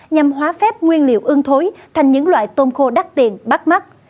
nhằm hóa phép nguyên liệu ưng thối thành những loại tôm khô đắt tiền bắt mắt